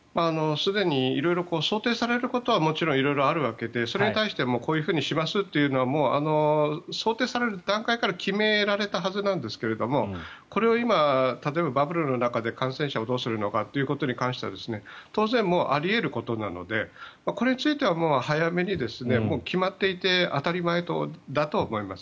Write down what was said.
すでに色々想定されることはもちろん色々あるわけでそれに対してこういうふうにしますというのは想定される段階から決められたはずなんですがこれを今、例えばバブルの中で感染者をどうするのかということに関しては当然、あり得ることなのでこれについては早めにもう決まっていて当たり前だと思います。